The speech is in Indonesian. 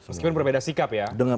meskipun berbeda sikap ya